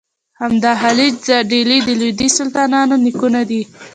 همدغه خلج د ډهلي د لودي سلطانانو نیکونه دي.